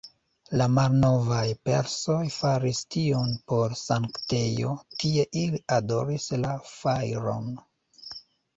La malnovaj persoj faris tion por sanktejo, tie ili adoris la fajron.